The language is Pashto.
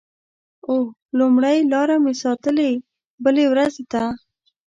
اوه…لومړۍ لاره مې ساتلې بلې ورځ ته